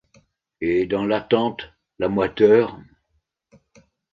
Et dans l'attente la moiteur